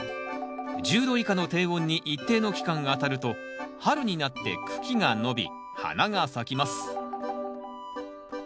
１０度以下の低温に一定の期間あたると春になって茎が伸び花が咲きます